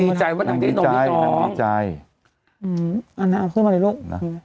นำดินมนั่งได้นมดีน้อง